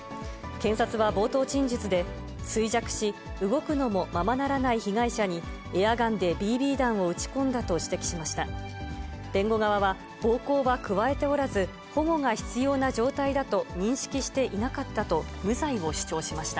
検察は冒頭陳述で、衰弱し、動くのもままならない被害者に、エアガンでＢＢ弾を撃ち込んだと指摘しました。